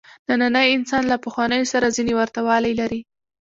نننی انسان له پخوانیو سره ځینې ورته والي لري.